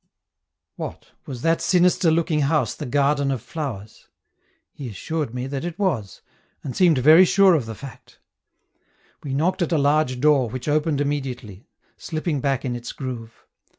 What, was that sinister looking house the Garden of Flowers? He assured me that it was, and seemed very sure of the fact. We knocked at a large door which opened immediately, slipping back in its groove.